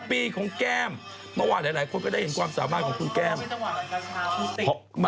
ปีของแก้มเมื่อวานหลายคนก็ได้เห็นความสามารถของคุณแก้ม